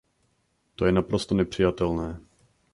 To je naprosto nepřijatelné.